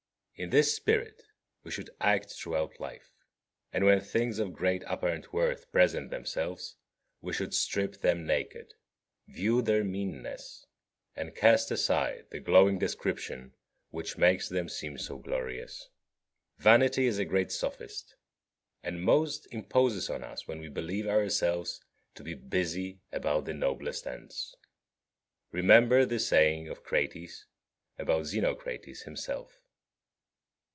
In this spirit we should act throughout life; and when things of great apparent worth present themselves, we should strip them naked, view their meanness, and cast aside the glowing description which makes them seem so glorious. Vanity is a great sophist, and most imposes on us when we believe ourselves to be busy about the noblest ends. Remember the saying of Crates about Xenocrates himself.